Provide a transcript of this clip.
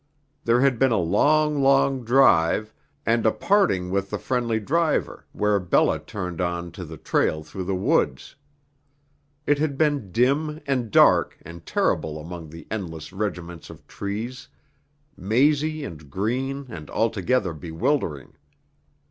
There had been a long, long drive and a parting with the friendly driver where Bella turned on to the trail through the woods. It had been dim and dark and terrible among the endless regiments of trees mazy and green and altogether bewildering.